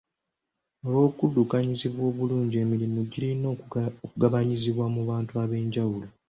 Olw'okuddukanyizibwa obulungi, emirimu girina okugabanyizibwa mu bantu ab'enjawulo.